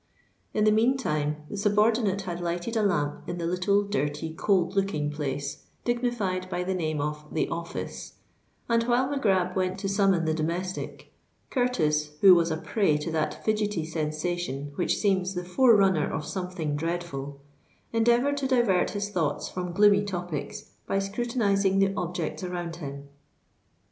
In the meantime the subordinate had lighted a lamp in the little, dirty, cold looking place, dignified by the name of "the office;" and while Mac Grab went to summon the domestic, Curtis, who was a prey to that fidgety sensation which seems the forerunner of something dreadful, endeavoured to divert his thoughts from gloomy topics by scrutinizing the objects around him.